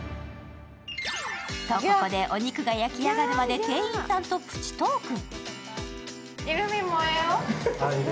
と、ここで、お肉が焼き上がるまで、店員さんとプチトーク。